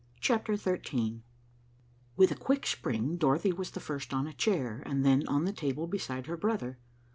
CHAPTER XIII With a quick spring, Dorothy was first on a chair, and then on the table beside her brother.